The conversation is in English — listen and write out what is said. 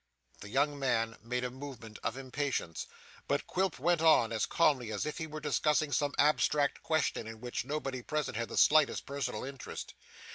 The young man made a movement of impatience, but Quilp went on as calmly as if he were discussing some abstract question in which nobody present had the slightest personal interest.